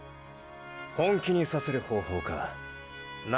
本気にさせる方法かな